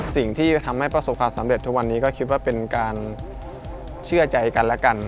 สิ่งที่จะทำให้ประสบความสำเร็จทุกวันนี้ก็คิดว่าเป็นการเชื่อใจกันและกัน